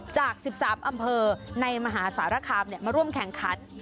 จาก๑๓อำเภอในมหาสารคามมาร่วมแข่งขัน